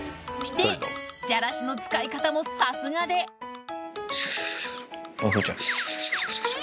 でじゃらしの使い方もさすがでシュシュシュ！